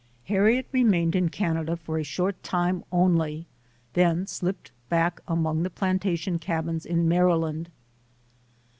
Harriet remained in Canada for a short time only, then slipped back among the plantation cabins in Maryland.